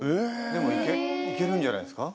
でも行けるんじゃないですか？